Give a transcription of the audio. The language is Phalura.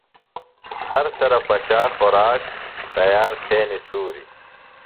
ہرسرہ پچا خوراک ، تیار تھینیۡ سُوری